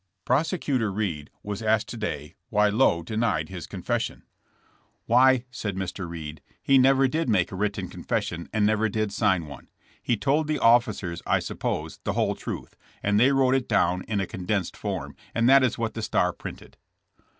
'* THK TRIAI, FOR TRAIN ROBBKRY. 157 Prosecutor Reed was asked today why Lowe denied his confession. *'Why," said Mr. Reed, he never did make a written confession, and never did sign one. He told the officers, I suppose, the whole truth, and they wrote it down in a condensed form, and that is what The Star printed.'